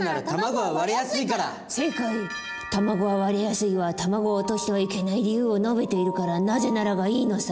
「卵は割れやすい」は卵を落としてはいけない理由を述べているから「なぜなら」がいいのさ。